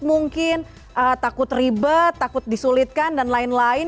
mungkin takut ribet takut disulitkan dan lain lain